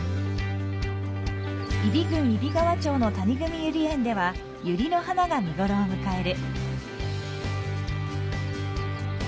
揖斐郡揖斐川町の谷汲ゆり園ではユリの花が見ごろを迎える。